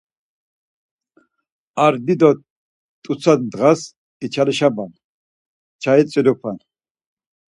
-Ar dido t̆ut̆sa ndğas içalişaman, çayi tziluman.